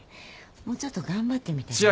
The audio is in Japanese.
もうちょっと頑張ってみたら？